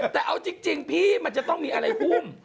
แต่เอาจริงพี่มันจะต้องมีอะไรหุ้ม